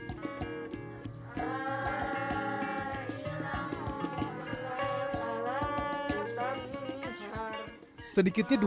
sedikitnya dua ratus murid smk asadul abadiah menjadi anak didik nur aini